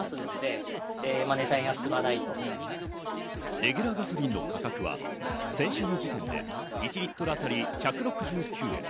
レギュラーガソリンの価格は先週の時点で１リットルあたり１６９円。